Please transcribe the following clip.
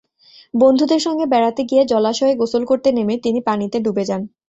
বন্ধুদের সঙ্গে বেড়াতে গিয়ে জলাশয়ে গোসল করতে নেমে তিনি পানিতে ডুবে যান।